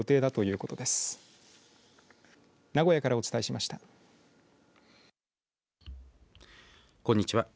こんにちは。